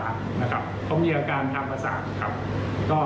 เขามีอาการทางจิตประสาท